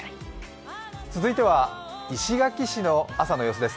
続いては石垣市の朝の様子です。